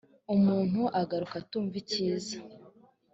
umuntu agakura atumva icyiza